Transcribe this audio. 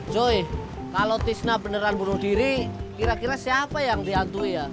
joy kalau tisna beneran bunuh diri kira kira siapa yang diakui ya